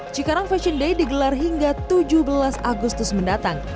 cikarang fashion day digelar hingga tujuh belas agustus mendatang